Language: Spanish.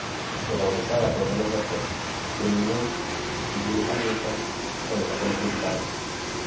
Protagonizada por Robert Redford, Demi Moore y Woody Harrelson en los papeles principales.